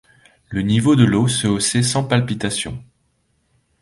Le niveau de l’eau se haussait sans palpitation.